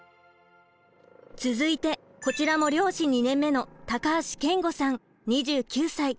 続いてこちらも漁師２年目の高橋謙吾さん２９歳。